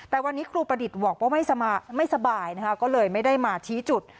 แต่วันนี้ครูประดิษฐ์บอกว่าไม่สบายนะคะก็เลยไม่ได้มาชี้จุด